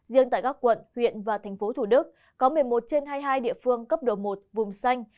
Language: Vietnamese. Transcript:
riêng tại các quận huyện và thành phố thủ đức có một mươi một trên hai mươi hai địa phương cấp độ một vùng xanh